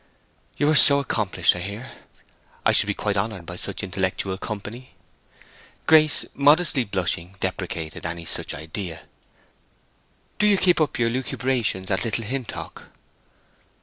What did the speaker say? "You are so accomplished, I hear; I should be quite honored by such intellectual company." Grace, modestly blushing, deprecated any such idea. "Do you keep up your lucubrations at Little Hintock?"